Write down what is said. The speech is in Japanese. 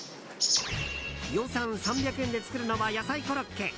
予算３００円で作るのは野菜コロッケ。